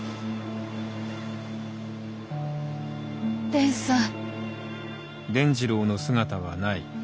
伝さん。